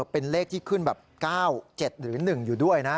เป็นเลขที่ขึ้นแบบ๙๗หรือ๑อยู่ด้วยนะ